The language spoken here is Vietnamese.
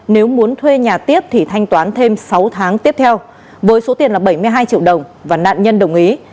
nếu muốn thuê nhà tiếp thì thanh toán thêm sáu tháng tiếp theo với số tiền là bảy mươi hai triệu đồng và nạn nhân đồng ý